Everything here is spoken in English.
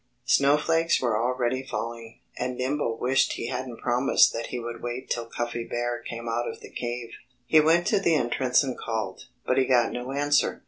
Snowflakes were already falling. And Nimble wished he hadn't promised that he would wait till Cuffy Bear came out of the cave. He went to the entrance and called. But he got no answer.